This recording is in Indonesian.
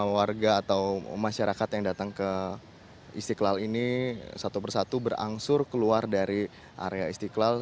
warga atau masyarakat yang datang ke istiqlal ini satu persatu berangsur keluar dari area istiqlal